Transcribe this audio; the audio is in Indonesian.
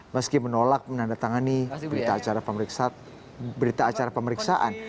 meski menolak menandatangani berita acara pemeriksaan